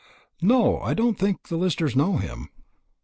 "No, I don't think the Listers know him."